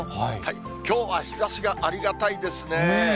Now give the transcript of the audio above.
きょうは日ざしがありがたいですね。